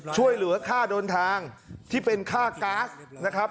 ช่วยเหลือค่าเดินทางที่เป็นค่าก๊าซนะครับ